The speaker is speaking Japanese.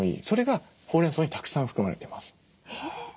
それがホウレンソウにたくさん含まれてます。